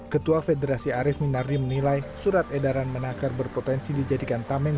ketua federasi arief minardi menilai surat edaran menakar berpotensi dijadikan tameng